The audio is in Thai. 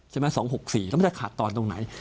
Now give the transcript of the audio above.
ใช่ไหม๒๖๔แล้วไม่ใช่ขาดตอนตรงไหน